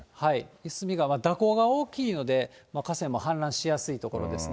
夷隅川、蛇行が大きいので、河川も氾濫しやすい所ですね。